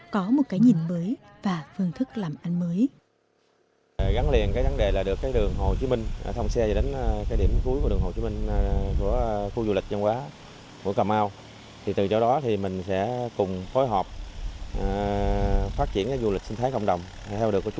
có một cái nhìn mới và phương thức làm ăn mới